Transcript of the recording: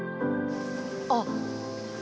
あっ。